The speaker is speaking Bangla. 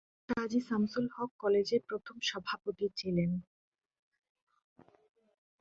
কাজী শামসুল হক কলেজের প্রথম সভাপতি ছিলেন।